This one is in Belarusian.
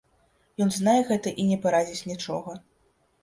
Ён знае гэта і не парадзіць нічога.